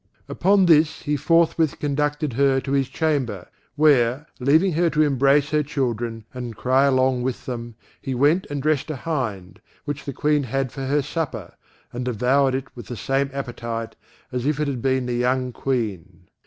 Upon this he forthwith conducted her to his chamber; where leaving her to embrace her children, and cry along with them, he went and dressed a hind, which the Queen had for her supper, and devoured it with the same appetite, as if it had been the young Queen.